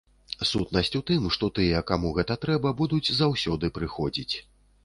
Сутнасць у тым, што тыя, каму гэта трэба, будуць заўсёды прыходзіць.